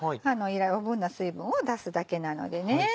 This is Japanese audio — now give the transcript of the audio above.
余分な水分を出すだけなのでね。